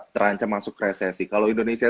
terancam masuk resesi kalau indonesia